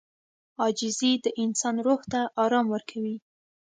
• عاجزي د انسان روح ته آرام ورکوي.